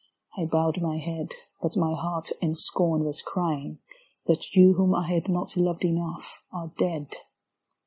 I bowed my head, but my heart in scorn was crying That you whom I had not loved enough are dead.